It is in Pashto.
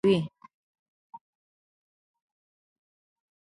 مکافات خالق تعالی راکوي.